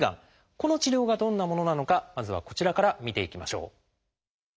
この治療がどんなものなのかまずはこちらから見ていきましょう。